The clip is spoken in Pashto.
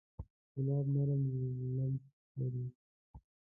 ګلاب نرم لمس لري.